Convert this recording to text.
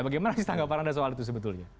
bagaimana sih tanggapan anda soal itu sebetulnya